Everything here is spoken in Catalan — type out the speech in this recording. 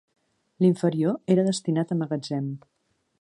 L’inferior era destinat a magatzem.